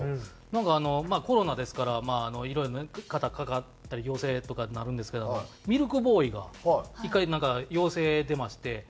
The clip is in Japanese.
なんかコロナですからいろいろねかかったり陽性とかになるんですけどミルクボーイが１回なんか陽性出まして営業が行けないと。